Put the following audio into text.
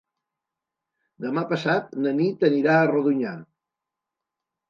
Demà passat na Nit anirà a Rodonyà.